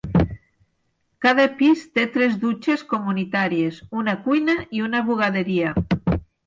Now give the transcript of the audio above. Cada pis té tres dutxes comunitàries, una cuina i una bugaderia.